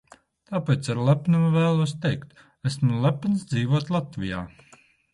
Tāpēc ar lepnumu vēlos teikt: esmu lepns dzīvot Latvijā!